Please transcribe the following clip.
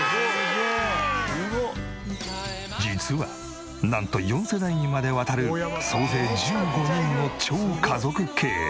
実はなんと４世代にまでわたる総勢１５人の超家族経営。